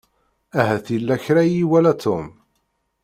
Ahat yella kra i iwala Tom.